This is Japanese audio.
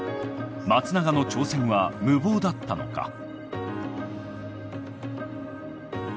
松永の挑戦は無謀だったのか。